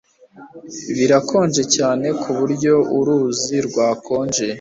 Birakonje cyane kuburyo uruzi rwakonje